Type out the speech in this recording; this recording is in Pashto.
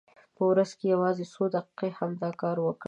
په ورځ کې یوازې څو دقیقې همدا کار وکړئ.